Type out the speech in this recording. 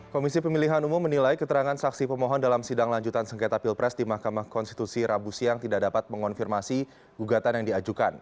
komisi pemilihan umum menilai keterangan saksi pemohon dalam sidang lanjutan sengketa pilpres di mahkamah konstitusi rabu siang tidak dapat mengonfirmasi gugatan yang diajukan